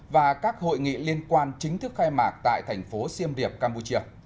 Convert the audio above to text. và các hội nghị liên quan chính thức khai mạc tại thành phố xiêm việp campuchia